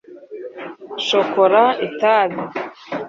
shokora itabi